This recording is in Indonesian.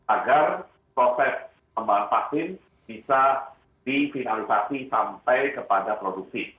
agar proses pembahasan vaksin bisa difinalisasi sampai kepada produksi